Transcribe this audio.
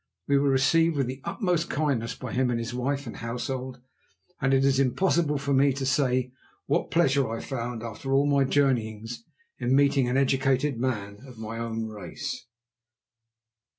We were received with the utmost kindness by him and his wife and household, and it is impossible for me to say what pleasure I found, after all my journeyings, in meeting an educated man of my own race.